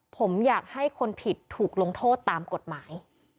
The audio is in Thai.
ผมอยากให้คนผิดถูกลงโทษตามกฎหมาย